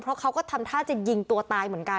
เพราะเขาก็ทำท่าจะยิงตัวตายเหมือนกัน